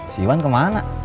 si iwan kemana